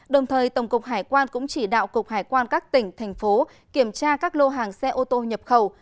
đồng thời tổng cục hải quan cũng chỉ đạo cục hải quan các tỉnh thành phố kiểm tra các lô hàng xe ô tô nhập khẩu